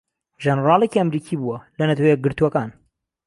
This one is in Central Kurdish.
ژەنەڕاڵێکی ئەمریکی بووە لەنەتەوەیەکگرتوەکان